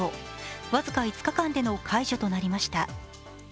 僅か５日間での解除となりました。